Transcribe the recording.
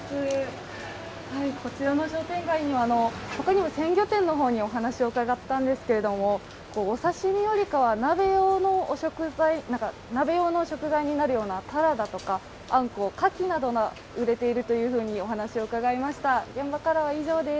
こちらの商店街には他にも鮮魚店にもお話を伺ったんですけどお刺身よりかは鍋用の食材になるようなたらだとか、あんこう、かきなどが売れているというお話をうかがいました。